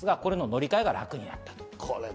乗り換えが楽になった。